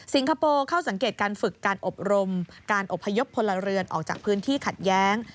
คโปร์เข้าสังเกตการฝึกการอบรมการอบพยพพลเรือนออกจากพื้นที่ขัดแย้ง